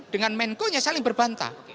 dengan menko nya saling berbantah